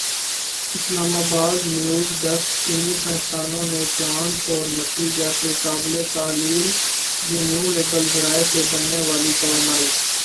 اسلام آبادنیو زڈیسکچینی سائنسدانوں نے چاند اور مٹی جیسے قابلِ تحلیل رینیوایبل ذرائع سے بننے والی توانائی